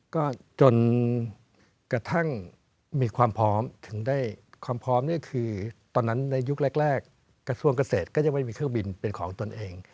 ก็จนกระทั่งมีความพร้อมถึงได้ความพร้อมเนี่ยคือตอนนั้นในยุคแรกกระทรวงเกษตรก็ยังไม่มีเครื่องบินเป็นของตนเอง